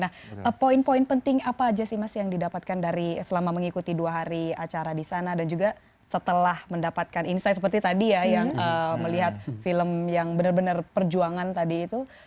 nah poin poin penting apa aja sih mas yang didapatkan dari selama mengikuti dua hari acara di sana dan juga setelah mendapatkan insight seperti tadi ya yang melihat film yang benar benar perjuangan tadi itu